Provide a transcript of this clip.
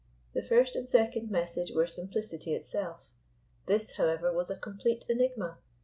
The first and second message were simplicity itself; this, however, was a complete enigma.